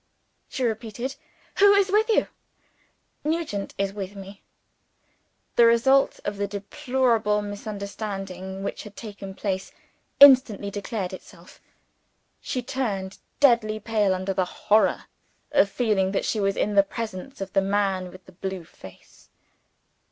she repeated. "Who is with you?" "Nugent is with me." The result of the deplorable misunderstanding which had taken place, instantly declared itself. She turned deadly pale under the horror of feeling that she was in the presence of the man with the blue face.